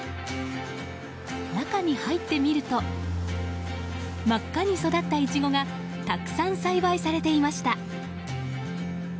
中に入ってみると真っ赤に育ったイチゴがたくさん栽培されていました。